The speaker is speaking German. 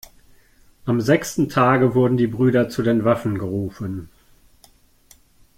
Am sechsten Tage wurden die Brüder zu den Waffen gerufen.